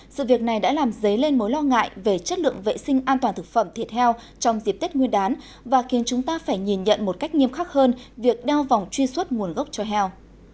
sự việc này đã làm dấy lên mối lo ngại về chất lượng vệ sinh an toàn thực phẩm thịt heo trong dịp tết nguyên đán và khiến chúng ta phải nhìn nhận một cách nghiêm khắc hơn việc đeo vòng truy xuất nguồn gốc cho heo